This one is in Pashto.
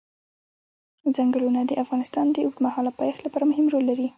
چنګلونه د افغانستان د اوږدمهاله پایښت لپاره مهم رول لري.